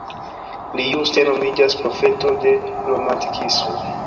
Li juste nomiĝas "profeto de Romantikismo".